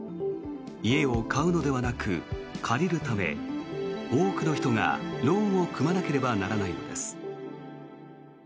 家を買うのではなく借りるため多くの人がローンを組まなければならないのです。